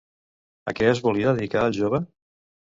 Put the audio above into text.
A què es volia dedicar el jove?